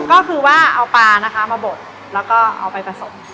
ก็คือว่าเอาปลานะคะมาบดแล้วก็เอาไปผสม